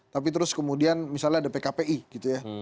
tapi terus kemudian misalnya ada pkpi gitu ya